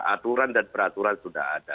aturan dan peraturan sudah ada